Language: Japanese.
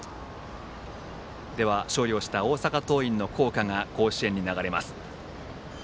勝利をした大阪桐蔭の校歌が甲子園に流れます。